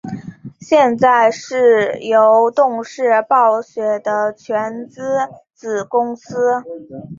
现在是由动视暴雪的全资子公司。